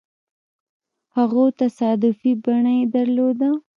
هغو تصادفي بڼه يې درلوده.